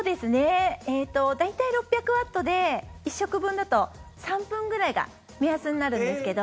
大体６００ワットで１食分だと３分ぐらいが目安になるんですけど。